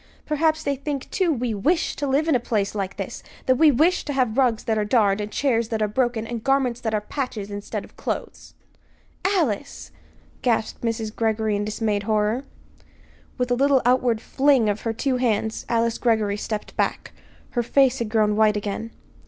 Perhaps they think, too, we wish to live in a place like this; that we wish to have rugs that are darned, and chairs that are broken, and garments that are patches instead of clothes!" "Alice!" gasped Mrs. Greggory in dismayed horror. With a little outward fling of her two hands Alice Greggory stepped back. Her face had grown white again.